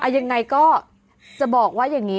ยังไงก็จะบอกว่าอย่างนี้